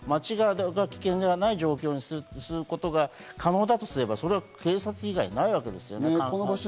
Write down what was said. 危険でない状況にすることが可能だとすれば、警察以外ないわけですからね。